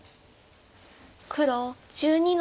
黒１２の十一。